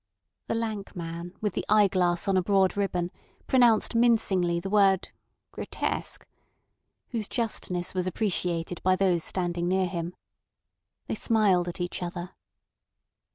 The lank man, with the eyeglass on a broad ribbon, pronounced mincingly the word "Grotesque," whose justness was appreciated by those standing near him. They smiled at each other.